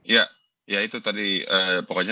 ya ya itu tadi pokoknya